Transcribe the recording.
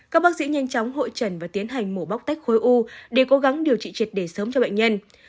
các bác sĩ nhanh chóng hội trần và tiến hành mổ bóc tách khối u để cố gắng điều trị triệt để sớm cho bệnh nhân